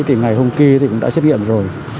thì ngày hôm kia cũng đã xét nghiệm rồi